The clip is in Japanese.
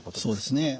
そうですね。